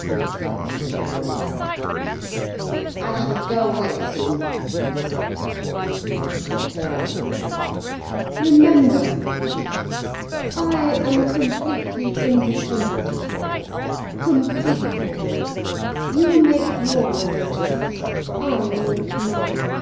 He sat and wondered. "I shall go away soon," he said. She turned on him. "Remember," she said, "I am completely independent of you—completely. You make your arrangements, I make mine."